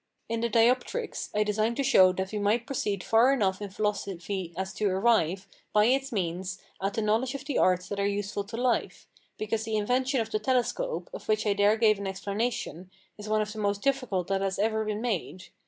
In the Dioptrics, I designed to show that we might proceed far enough in philosophy as to arrive, by its means, at the knowledge of the arts that are useful to life, because the invention of the telescope, of which I there gave an explanation, is one of the most difficult that has ever been made.